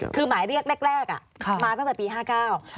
คือหมายเรียกแรกมาตั้งแต่ปี๕๙ใช่ค่ะ